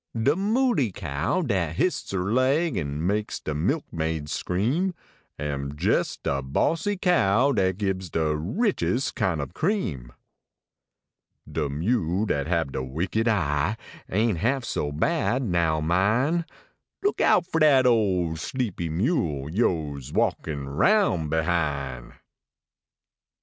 De mooley cow dat hists her leg, An makes de milk maid scream, Am jes de bossie cow dat gives De richest kiu ob cream. De mule dat hab de wicked eye Ain half so bad, now min Look out for dat old sleep} mule Vo s walkin rotin behin .